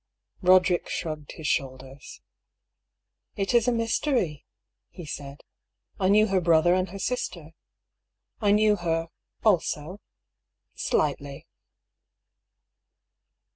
Eoderick shrugged his shoulders. "It is a mystery," he said. "I knew her brother and her sister. I knew her — also — slightly."